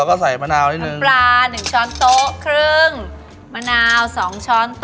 การปราหนึ่งช้อนโต๊ะครึ่ง